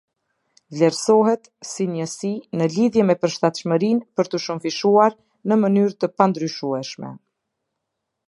Vlerësohet si njësi në lidhje me përshtatshmërinë për tu shumëfishuar në mënyrë të pandryshueshme.